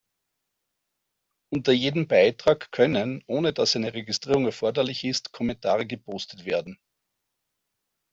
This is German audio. Unter jedem Beitrag können, ohne dass eine Registrierung erforderlich ist, Kommentare gepostet werden.